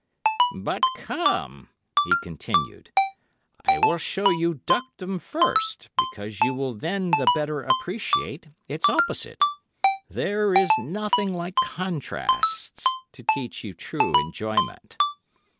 "'But come,' he continued, 'I will show you Duckdom first, because you will then the better appreciate its opposite. There is nothing like contrasts to teach you true enjoyment.